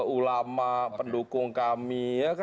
ulama pendukung kami